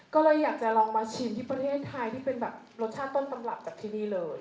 ก็เลยอยากจะลองมาชิมที่ประเทศไทยที่เป็นแบบรสชาติต้นตำรับจากที่นี่เลย